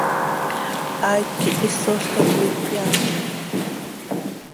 Haait quih ísolca coi cöyaanlam.